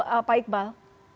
betul pak iqbal